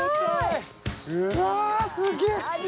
すごい！